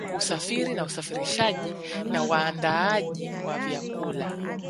Usafiri na usafirishaji na waandaaji wa vyakula